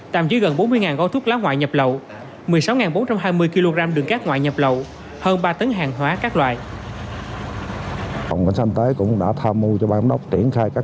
tạm dưới gần bốn mươi gói thuốc lá ngoại nhập lậu